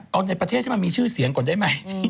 เอาในประเทศให้มันมีชื่อเสียงก่อนได้ไหม